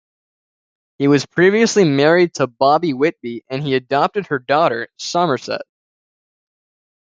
He was previously married to Bobbie Whitby and he adopted her daughter, Somerset.